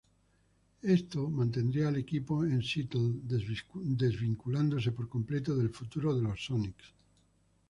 Esto mantendría el equipo en Seattle, desvinculándose por completo del futuro de los Sonics.